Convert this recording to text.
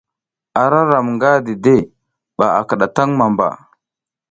Ara ram nga dide ɓa a kiɗataŋ mamba.